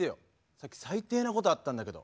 さっき最低なことあったんだけど。